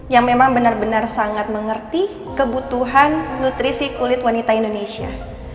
yang memang benar benar sangat mengerti kebutuhan nutrisi kulit wanita indonesia